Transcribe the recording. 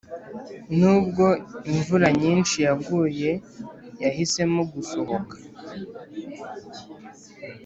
nubwo imvura nyinshi yaguye, yahisemo gusohoka